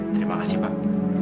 terima kasih pak